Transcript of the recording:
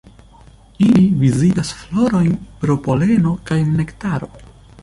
Ili vizitas florojn pro poleno kaj nektaro.